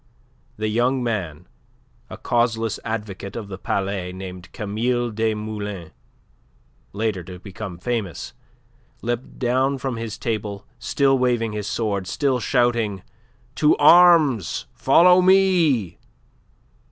The young man, a causeless advocate of the Palais named Camille Desmoulins, later to become famous, leapt down from his table still waving his sword, still shouting, "To arms! Follow me!"